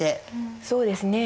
そうですね。